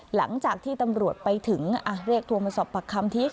หลังจากที่ตำรวจไปถึงเรียกตัวมาสอบปากคำที่